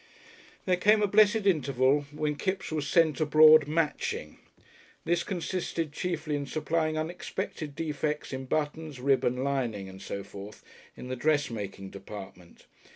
There came a blessed interval when Kipps was sent abroad "matching." This consisted chiefly in supplying unexpected defects in buttons, ribbon, lining, and so forth in the dressmaking department.